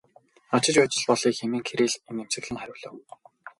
Очиж байж л болъё хэмээн Кирилл инээмсэглэн хариулав.